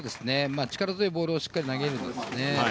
力強いボールをしっかり投げるんですね